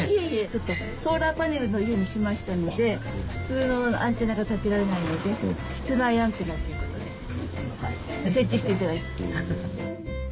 ちょっとソーラーパネルの家にしましたので普通のアンテナが立てられないので室内アンテナっていうことで設置して頂いた。